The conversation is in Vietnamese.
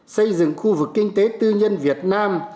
xây dựng khu vực kinh tế tư nhân việt nam